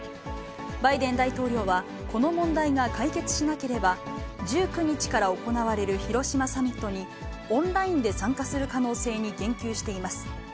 バイデン大統領は、この問題が解決しなければ、１９日から行われる広島サミットにオンラインで参加する可能性に言及しています。